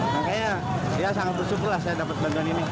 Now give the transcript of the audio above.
makanya ya sangat bersyukur lah saya dapat bantuan ini